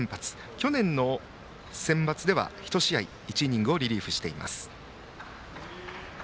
去年のセンバツでは１試合リリーフしています。